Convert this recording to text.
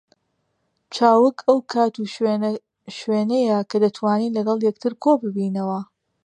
چاوگ ئەو کات و شوێنەیە کە دەتوانین لەگەڵ یەکتر کۆ ببینەوە